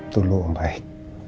dulu om baik